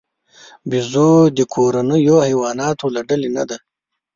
بیزو د کورنیو حیواناتو له ډلې نه دی.